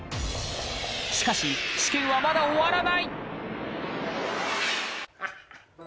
しかし試験はまだ終わらない！